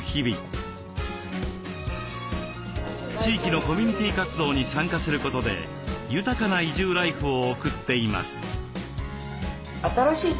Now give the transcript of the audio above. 地域のコミュニティー活動に参加することで豊かな移住ライフを送っています。